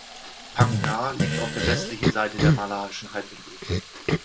Phang-nga liegt auf der westlichen Seite der malaiischen Halbinsel.